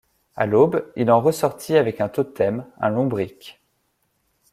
À l'aube, il en ressortit avec un totem, un lombric.